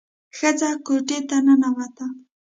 ښځه کوټې ته ننوته.